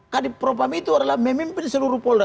kadipropam itu adalah memimpin seluruh polda